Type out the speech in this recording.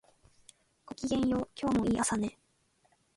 ごきげんよう、今日もいい朝ね